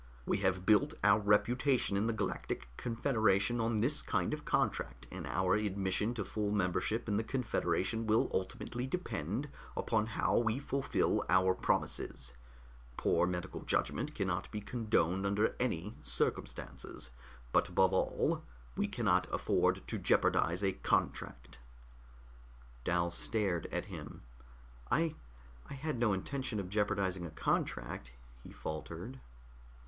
"We have built our reputation in the Galactic Confederation on this kind of contract, and our admission to full membership in the Confederation will ultimately depend upon how we fulfill our promises. Poor medical judgment cannot be condoned under any circumstances but above all, we cannot afford to jeopardize a contract." Dal stared at him. "I I had no intention of jeopardizing a contract," he faltered.